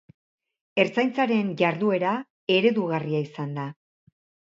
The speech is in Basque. Ertzaintzaren jarduera eredugarria izan da.